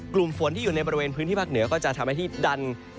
กลุ่มฝนที่อยู่ในบริเวณพื้นที่ภาคเหนือก็จะทำให้ที่ดัน